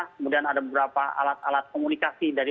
kemudian ada beberapa alat alat komunikasi dari